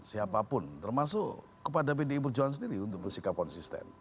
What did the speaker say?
siapapun termasuk kepada pdi perjuangan sendiri untuk bersikap konsisten